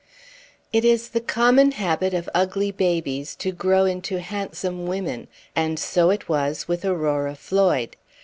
It is the common habit of ugly babies to grow into handsome women, and so it was with Aurora Floyd.